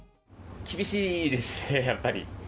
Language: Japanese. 厳しいですね、やっぱり。